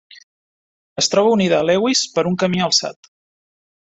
Es troba unida a Lewis per un camí alçat.